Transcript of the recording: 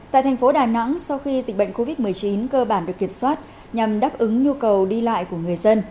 tại thành phố đà nẵng sau khi dịch bệnh covid một mươi chín cơ bản được kiểm soát nhằm đáp ứng nhu cầu đi lại của người dân